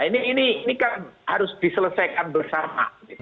nah ini kan harus diselesaikan bersama